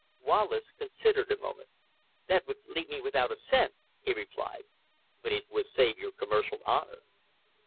Wallace considered a moment. "That would leave me without a cent," he replied. "But it would save your commercial honor."